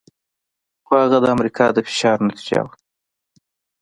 خو هغه د امریکا د فشار نتیجه وه.